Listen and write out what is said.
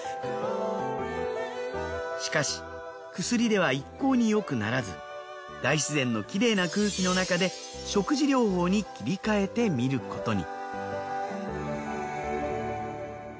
しかし薬では一向によくならず大自然のきれいな空気の中で食事療法に切り替えてみることに。